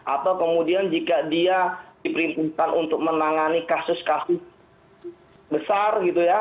atau kemudian jika dia diperintahkan untuk menangani kasus kasus besar gitu ya